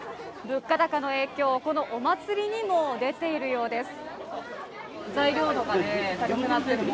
物価高の影響、このお祭りにも出ているようです。